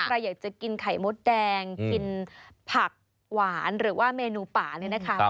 ใครอยากจะกินไข่มดแดงกินผักหวานหรือว่าเมนูป่าเนี่ยนะคะ